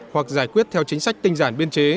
hoặc giải quyết theo chính sách tinh giản biên chế